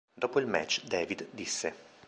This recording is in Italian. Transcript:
Dopo il match David disse.